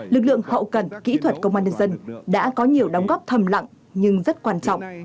lực lượng hậu cần kỹ thuật công an nhân dân đã có nhiều đóng góp thầm lặng nhưng rất quan trọng